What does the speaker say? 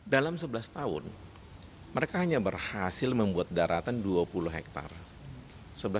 dalam sebelas tahun mereka hanya berhasil membuat daratan dua puluh hektare